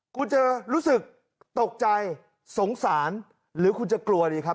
คุณจะรู้สึกตกใจสงสารหรือคุณจะกลัวดีครับ